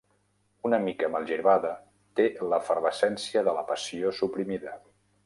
Una mica malgirbada, té l'efervescència de la passió suprimida.